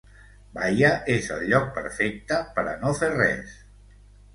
Baia és el lloc perfecte per a no fer res...